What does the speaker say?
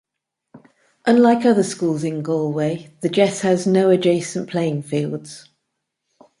Unlike other schools in Galway, the Jes has no adjacent playing fields.